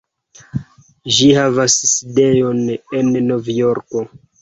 Ĝi havas sidejon en Novjorko.